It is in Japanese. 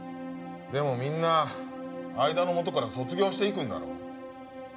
でもみんな相田のもとから卒業していくんだろ。